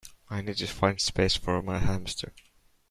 I need to find space for my hamster